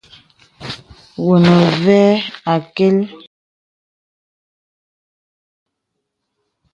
Wu nə və akə̀l, pək tənə yɔ̀.